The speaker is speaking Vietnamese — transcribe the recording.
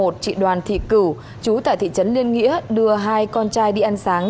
trị đoàn thị cử chú tại thị trấn liên nghĩa đưa hai con trai đi ăn sáng